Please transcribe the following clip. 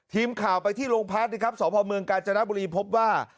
ทีมข่าวไปที่โรงพักนะครับสพเมืองกาญจนบุรีพบว่า